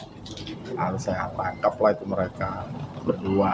harus saya angkat keplah itu mereka berdua